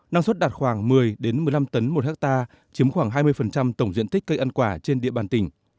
năng suất đạt khoảng một mươi một mươi năm tấn một hectare chiếm khoảng hai mươi tổng diện tích cây ăn quả trên địa bàn tỉnh